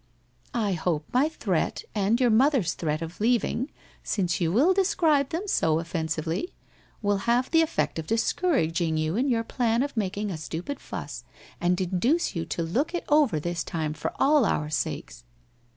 ' I hope my threat and your mother's threat of leaving — since you will describe them so offensively — will have the effect of discouraging you in your plan of making a stupid fuss, and induce you to look it over this time for all our sakes.